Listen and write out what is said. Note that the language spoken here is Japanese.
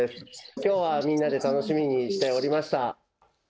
きょうはみんなで楽しみにしておりました。